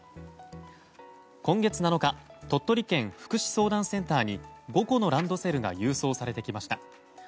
今月７日鳥取県福祉相談センターに５個のランドセルが郵送されてきました。